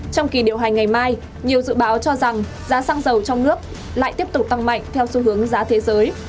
trong kỳ điều hành ngày mai nhiều dự báo cho rằng giá xăng dầu trong nước lại tiếp tục tăng mạnh theo xu hướng giá thế giới